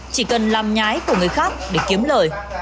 chỉ cần làm nhái của người khác để kiếm lời